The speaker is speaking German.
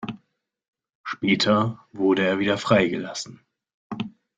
Später wurde er wieder freigelassen.